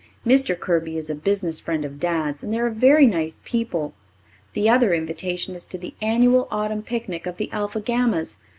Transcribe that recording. Mr. Kirby is a business friend of Dad's, and they are very nice people. The other invitation is to the annual autumn picnic of the Alpha Gammas.